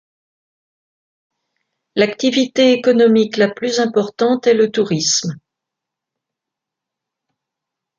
L'activité économique la plus importante est le tourisme.